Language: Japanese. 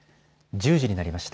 １０時になりました。